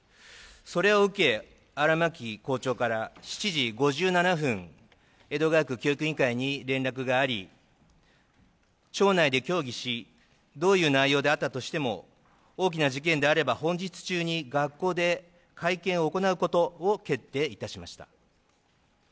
それを受け、荒巻校長から７時５７分江戸川区教育委員会に連絡があり町内で協議しどういう内容であったとしても大きな事件であれば本日中に学校で会見を行うことを決定いたしました。